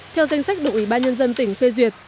theo danh sách được ủy ban nhân dân tỉnh phê duyệt